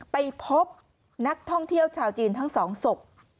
ไปพบนักท่องเที่ยวชาวจีนทั้งสองศพ